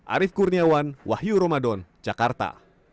arief kurniawan wahyu jakarta